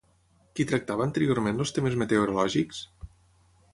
Qui tractava anteriorment els temes meteorològics?